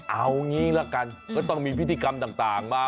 เอางี้ละกันก็ต้องมีพิธีกรรมต่างมา